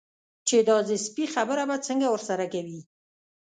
چې دا د سپي خبره به څنګه ورسره کوي.